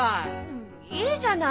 んいいじゃない！